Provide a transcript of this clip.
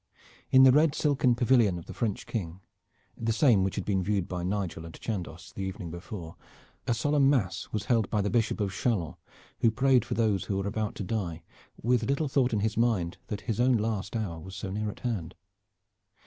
In the red silken pavilion of the French King the same which had been viewed by Nigel and Chandos the evening before a solemn mass was held by the Bishop of Chalons, who prayed for those who were about to die, with little thought in his mind that his own last hour was so near at hand.